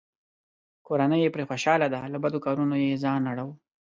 کورنۍ یې پرې خوشحاله ده؛ له بدو کارونو یې ځان اړووه.